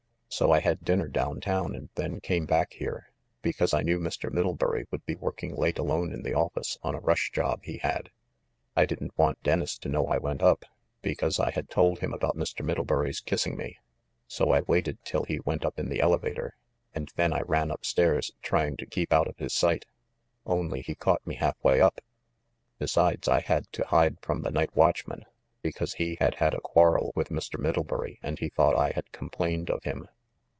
So I had dinner down town and then came back here, because I knew Mr. Middlebury would be working late alone in the office on a rush job he had. I didn't want Dennis to know I went up, be cause I had told him about Mr. Middlebury's kissing me; so I waited till he went up in the elevator, and THE MIDDLEBURY MURDER 397 then I ran up stairs, trying to keep out of his sight. Only, he caught me half way up. Besides, I had to hide from the night watchman, because he had had a quarrel with Mr. Middlebury, and he thought I had complained of him."